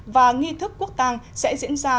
và nghi thức quốc tàng sẽ diễn ra